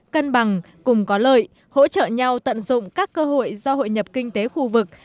cân bằng cùng có lợi hỗ trợ nhau tận dụng các cơ hội do hội nhập kinh tế khu vực